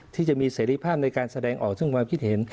ที่จะมีเสรีภาพในการแสดงออกซึ่งความคิดเห็น